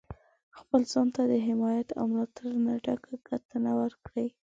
خپل ځان ته د حمایت او ملاتړ نه ډکه کتنه کوئ.